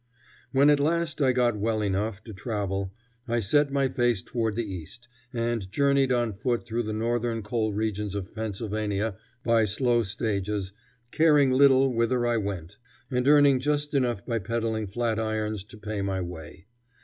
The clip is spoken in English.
When at last I got well enough to travel, I set my face toward the east, and journeyed on foot through the northern coal regions of Pennsylvania by slow stages, caring little whither I went, and earning just enough by peddling flat irons to pay my way.